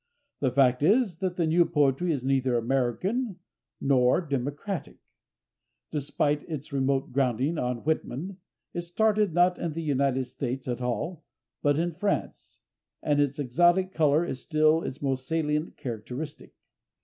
The fact is that the new poetry is neither American nor democratic. Despite its remote grounding on Whitman, it started, not in the United States at all, but in France, and its exotic color is still its most salient characteristic.